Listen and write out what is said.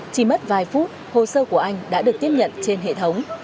chỉ mất vài phút hồ sơ của anh đã được tiếp nhận trên hệ thống